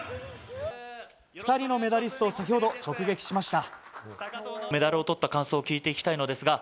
２人のメダリストを先ほど直撃しました。